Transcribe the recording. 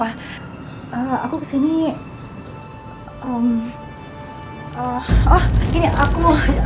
oh ini aku mau ambil gelang aku